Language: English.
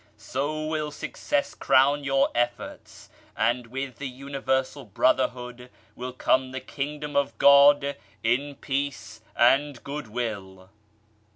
So will success crown your efforts, and with the Universal Brotherhood will come the Kingdom of God in Peace and Goodwill.